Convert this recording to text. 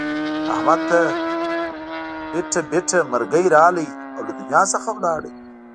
احمد ته ایټه بیټه مرگی راغی او له دنیا څخه ولاړو.